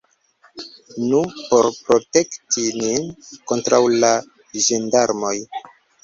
Nu, por protekti nin kontraŭ la ĝendarmoj!